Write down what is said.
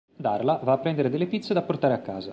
Darla va a prendere delle pizze da portare a casa.